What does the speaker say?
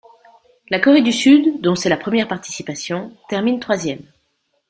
La Corée du Sud, dont c'est la première participation termine troisième.